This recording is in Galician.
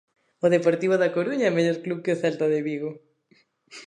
O Deportivo da Coruña é mellor club que o Celta de Vigo